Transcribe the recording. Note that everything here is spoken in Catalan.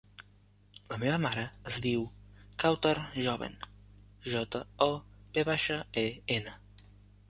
La meva mare es diu Kawtar Joven: jota, o, ve baixa, e, ena.